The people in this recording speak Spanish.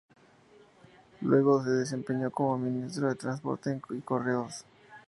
Luego se desempeñó como Ministro de Transporte y Correos.